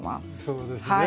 そうですね。